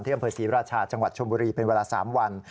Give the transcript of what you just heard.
อำเภอศรีราชาจังหวัดชมบุรีเป็นเวลา๓วัน